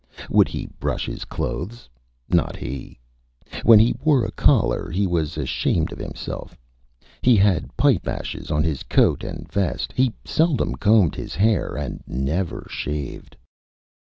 Would he brush his Clothes? Not he. When he wore a Collar he was Ashamed of himself. He had Pipe Ashes on his Coat and Vest. He seldom Combed his Hair, and never Shaved.